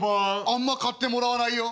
あんま買ってもらわないよ。